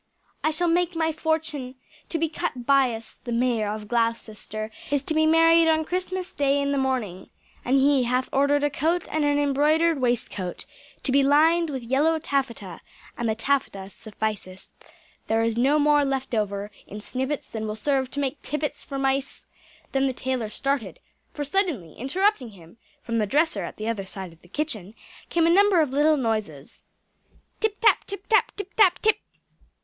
"I shall make my fortune to be cut bias the Mayor of Gloucester is to be married on Christmas Day in the morning, and he hath ordered a coat and an embroidered waistcoat to be lined with yellow taffeta and the taffeta sufficeth; there is no more left over in snippets than will serve to make tippets for mice " Then the tailor started; for suddenly, interrupting him, from the dresser at the other side of the kitchen came a number of little noises _Tip tap, tip tap, tip tap tip!